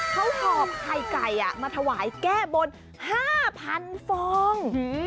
เขาหอบไข่ไก่มาถวายแก้บน๕๐๐๐ฟอง